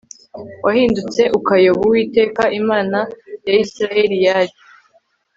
wahindutse ukayoba Uwiteka Imana ya Isirayeli yari